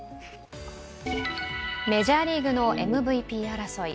メジャーリーグのＭＶＰ争い。